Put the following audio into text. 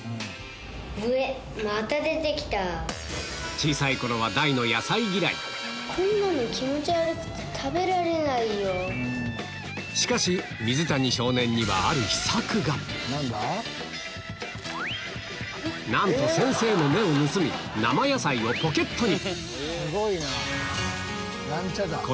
小さい頃はしかし水谷少年にはなんと先生の目を盗み生野菜をポケットに！